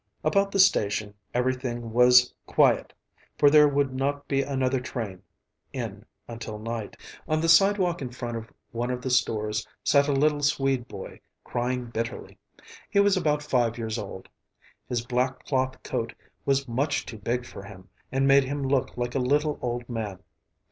About the station everything was quiet, for there would not be another train in until night. On the sidewalk in front of one of the stores sat a little Swede boy, crying bitterly. He was about five years old. His black cloth coat was much too big for him and made him look like a little old man.